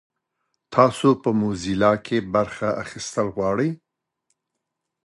تاسو په موزیلا کې برخه اخیستل غواړئ؟